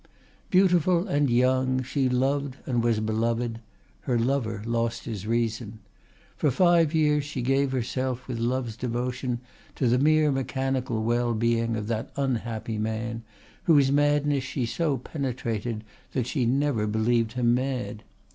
Beautiful and young, she loved and was beloved; her lover lost his reason. For five years she gave herself, with love's devotion, to the mere mechanical well being of that unhappy man, whose madness she so penetrated that she never believed him mad.